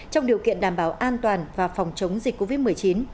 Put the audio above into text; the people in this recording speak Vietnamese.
trong điều kiện đảm bảo an toàn và phòng chống dịch covid một mươi chín